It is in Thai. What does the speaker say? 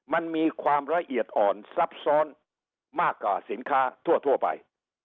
มันมีความละเอียดอ่อนซับซ้อนมากกว่าสินค้าทั่วไป